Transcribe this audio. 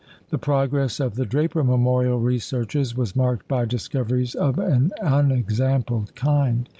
The progress of the Draper Memorial researches was marked by discoveries of an unexampled kind.